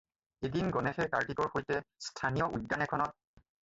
এদিন গণেশে কাৰ্ত্তিকৰ সৈতে স্থানীয় উদ্যান এখনত।